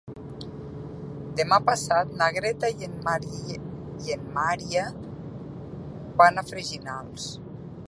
Demà passat na Greta i en Maria van a Freginals.